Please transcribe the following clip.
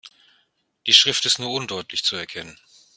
Die Schrift ist nur undeutlich zu erkennen.